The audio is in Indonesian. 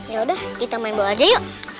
yaudah kita main bola aja yuk